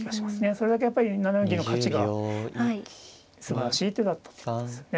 それだけやっぱり７四銀の価値がすばらしい手だったということですよね。